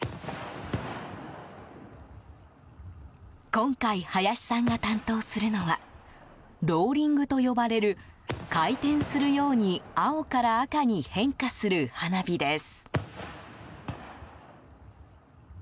今回、林さんが担当するのはローリングと呼ばれる回転するように青から赤に変化する花火です。